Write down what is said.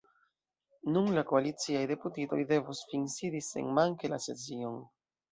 Nun la koaliciaj deputitoj devos finsidi senmanke la sesion.